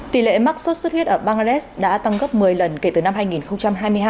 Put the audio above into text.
tỷ lệ mắc sốt xuất huyết ở bangladesh đã tăng gấp một mươi lần kể từ năm hai nghìn hai mươi hai